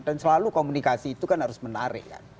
dan selalu komunikasi itu kan harus menarik